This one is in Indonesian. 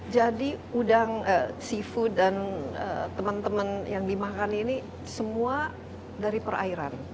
jadi udang seafood dan teman teman yang dimakan ini semua dari perairan